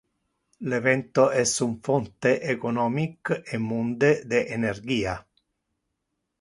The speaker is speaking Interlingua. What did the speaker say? Le vento es un fonte economic e munde de energia.